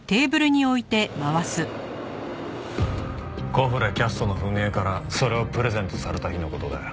コフレキャストの史江からそれをプレゼントされた日の事だよ。